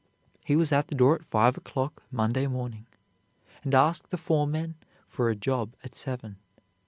He was at the door at five o'clock Monday morning, and asked the foreman for a job at seven.